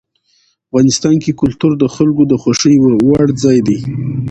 افغانستان کې کلتور د خلکو د خوښې وړ ځای دی.